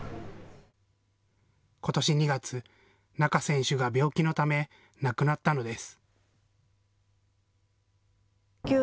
ことし２月、仲選手が病気のため、亡くなったのです。